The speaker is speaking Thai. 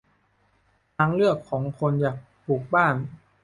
ทางเลือกของคนอยากปลูกบ้าน